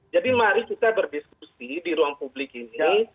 jadi mari kita berdiskusi di ruang publik ini